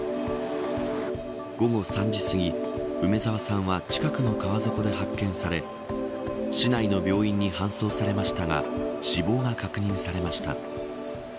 午後３時すぎ梅澤さんは近くの川底で発見され市内の病院に搬送されましたが死亡が確認されました。